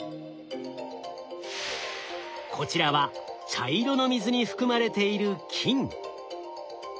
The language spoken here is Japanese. こちらは茶色の水に含まれている金。